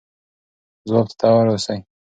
ځواب ته تیار اوسئ.